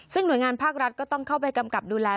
ซึ่งหน่วยงานภาครัฐก็ต้องเข้าไปกำกับดูแล